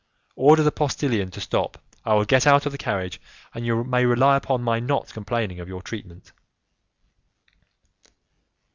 Order the postillion to stop, I will get out of the carriage, and you may rely upon my not complaining of your treatment."